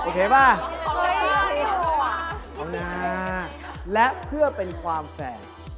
โอเคป่ะโอเคแล้วเพื่อเป็นความแฟร์